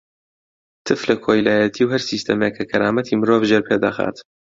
تف لە کۆیلایەتی و هەر سیستەمێک کە کەرامەتی مرۆڤ ژێرپێ دەخات.